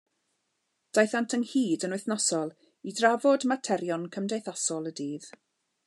Daethant ynghyd yn wythnosol i drafod materion cymdeithasol y dydd.